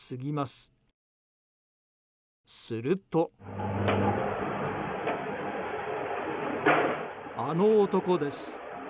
すると、あの男です。